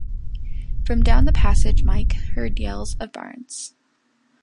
From down the passage Mike heard yells of "Barnes!"